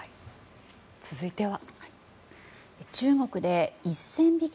続いては。